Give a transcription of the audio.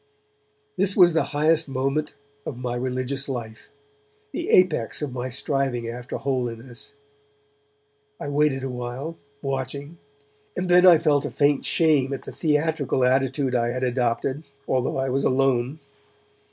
This was the highest moment of my religious life, the apex of my striving after holiness. I waited awhile, watching; and then I felt a faint shame at the theatrical attitude I had adopted, although I was alone.